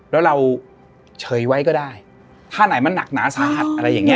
แล้วเราเฉยไว้ก็ได้ท่าไหนมันหนักหนาสาหัสอะไรอย่างเงี้